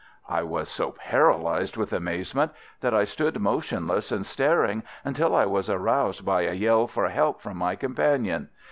I was so paralyzed with amazement that I stood motionless and staring until I was aroused by a yell for help from my companion.